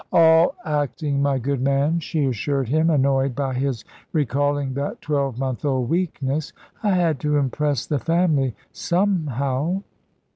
"All acting, my good man," she assured him, annoyed by his recalling that twelve month old weakness. "I had to impress the family somehow."